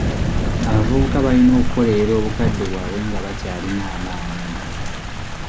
Abavubuka balina okukolerera obukadde bwabwe nga bakyalina amaanyi.